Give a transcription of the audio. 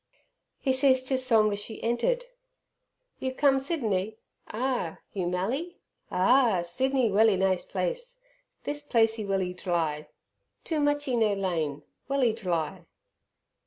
He ceased his song as she entered. "You come Sydiney? Ah! You mally? Ah! Sydiney welly ni' place. This placee welly dly too muchee no lain welly dly."